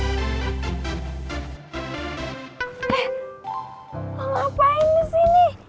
eh mau ngapain di sini